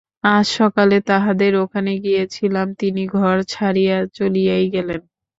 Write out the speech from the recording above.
আজ সকালে তাঁহাদের ওখানে গিয়াছিলাম, তিনি ঘর ছাড়িয়া চলিয়াই গেলেন।